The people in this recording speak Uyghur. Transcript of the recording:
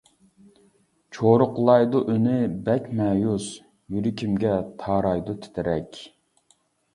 چۇرۇقلايدۇ ئۈنى بەك مەيۈس يۈرىكىمگە تارايدۇ تىترەك.